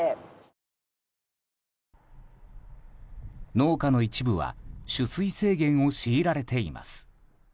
農家の一部は取水制限を強いられています。